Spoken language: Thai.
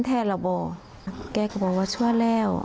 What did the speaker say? ทหารเก็บศพออกมาแล้ว